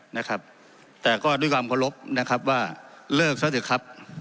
นะครับแต่ก็ด้วยความเคารพนะครับว่าเลิกซะเถอะครับ